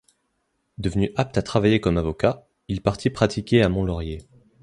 Devenu apte à travailler comme avocat, il partit pratiquer à Mont-Laurier.